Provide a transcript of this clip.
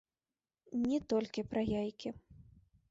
Не толькі пра яйкі.